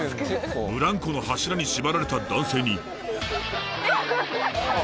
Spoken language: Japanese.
ブランコの柱に縛られた男性に。